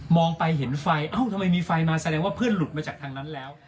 ไปเห็นไฟเอ้าทำไมมีไฟมาแสดงว่าเพื่อนหลุดมาจากทางนั้นแล้ว